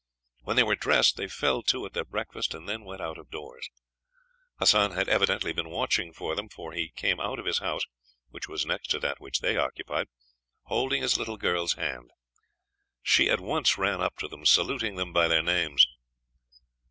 When they were dressed they fell to at their breakfast, and then went out of doors. Hassan had evidently been watching for them, for he came out of his house, which was next to that which they occupied, holding his little girl's hand. She at once ran up to them, saluting them by their names.